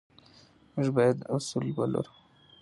موږ باید اصول ولرو.